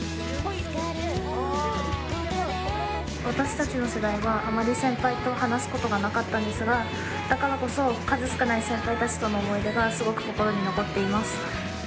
私たちの世代はあまり先輩と話すことがなかったんですがだからこそ数少ない先輩たちとの思い出がすごく心に残っています。